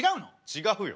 違うよ。